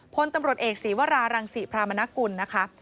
พลตำรวจเอกศีวรารังศรีพรามนกุลนะคะ